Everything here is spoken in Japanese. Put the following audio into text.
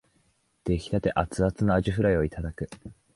出来立てアツアツのあじフライをいただく